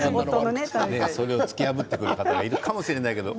それを突き破ってくれたらいいのかもしれないけれど。